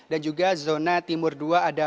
dan juga zona timur dua ada